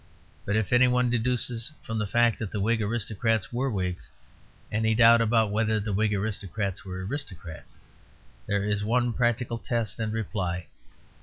But if anybody deduces, from the fact that the Whig aristocrats were Whigs, any doubt about whether the Whig aristocrats were aristocrats, there is one practical test and reply.